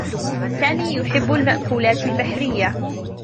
سامي يحبّ المأكولات البحريّة.